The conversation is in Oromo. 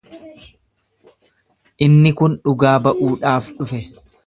Inni kun dhugaa ba'uudhaaf dhufe.